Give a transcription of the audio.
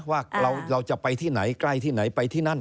ว่าเราจะไปที่ไหนใกล้ที่ไหนไปที่นั่น